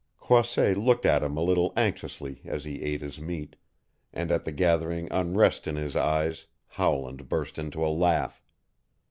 Croisset looked at him a little anxiously as he ate his meat, and at the gathering unrest in his ayes Howland burst into a laugh.